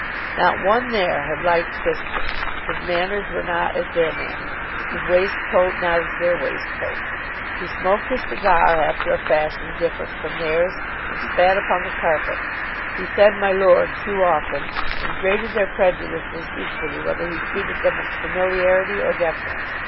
Not one there had liked Fisker. His manners were not as their manners; his waistcoat not as their waistcoats. He smoked his cigar after a fashion different from theirs, and spat upon the carpet. He said "my lord" too often, and grated their prejudices equally whether he treated them with familiarity or deference.